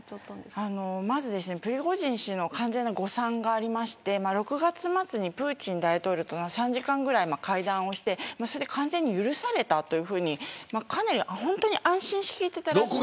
プリゴジン氏の完全な誤算がありまして６月末にプーチン大統領との３時間ぐらい会談をして完全に許されたというふうに安心しきっていたらしいんです。